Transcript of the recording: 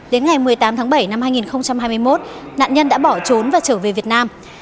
đến ngày một mươi tám tháng bảy năm hai nghìn hai mươi một nạn nhân đã bỏ trốn và trở về việt nam